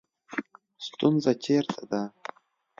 ستونزه چېرته ده